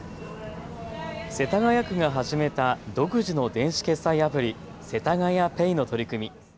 世田谷区が始めた独自の電子決済アプリ、せたがやＰａｙの取り組み。